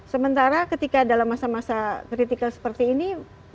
sementara ketika dalam masa masa kritikal seperti ini